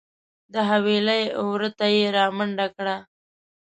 د حویلۍ وره ته یې رامنډه کړه .